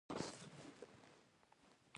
د دې سره د معدې تېزابيت زياتيږي